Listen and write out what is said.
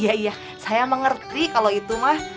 iya iya saya mengerti kalau itu mah